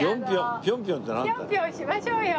ピョンピョンしましょうよ！